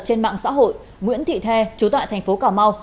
trên mạng xã hội nguyễn thị the trú tại thành phố cà mau